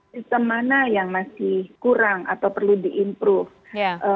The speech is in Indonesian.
sistem mana yang masih kurang atau perlu di improve